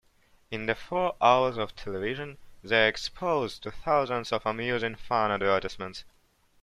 In the four hours of television, they're exposed to thousands of amusing, fun advertisements.